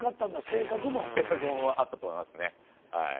性格もあったと思いますねはい。